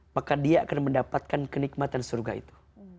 maka dia akan mendapatkan kenikmatan surga itu